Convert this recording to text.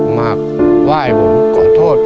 มาไหว้ผมกอดโทษผม